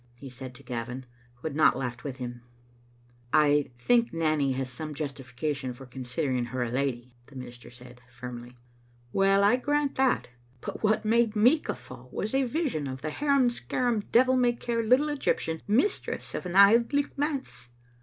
he said to Gavin, who had not laughed with him. " I think Nanny has some justification for considering her a lady," the minister said, firmly. " Well, I grant that. But what made me guflEaw was a vision of the harum scarum, devil may care little Egyptian mistress of an Auld Licht manse!"